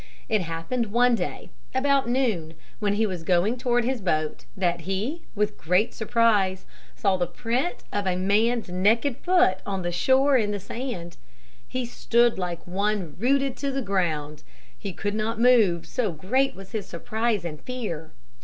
It happened one day, about noon, when he was going toward his boat that he, with great surprise, saw the print of a man's naked foot on the shore in the sand. He stood like one rooted to the ground. He could not move, so great was his surprise and fear.